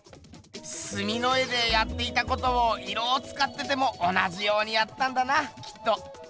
すみの絵でやっていたことを色をつかってても同じようにやったんだなきっと。